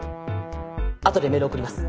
あとでメール送ります。